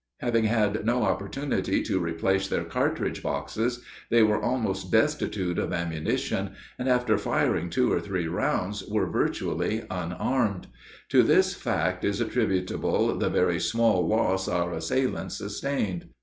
Having had no opportunity to replenish their cartridge boxes, they were almost destitute of ammunition, and after firing two or three rounds were virtually unarmed. To this fact is attributable the very small loss our assailants sustained.